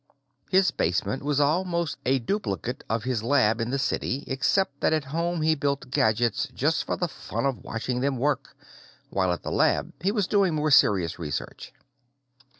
His basement was almost a duplicate of his lab in the city, except that at home he built gadgets just for the fun of watching them work, while at the lab he was doing more serious research.